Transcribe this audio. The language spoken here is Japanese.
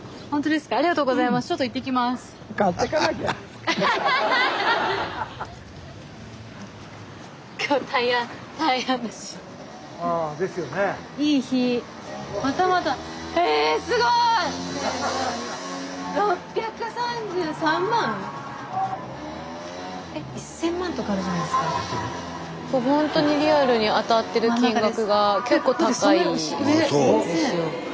スタジオほんとにリアルに当たってる金額が結構高いんですよ。